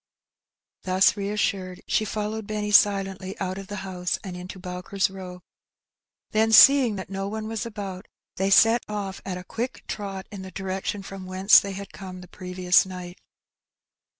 Thus reassured, she followed Benny silently out of the house and into Bowker's Row; then seeing that no one was about, they set off at a quick trot in the direction from whence they had come the previous night.